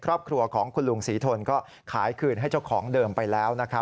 ครอบครัวของคุณลุงศรีทนก็ขายคืนให้เจ้าของเดิมไปแล้วนะครับ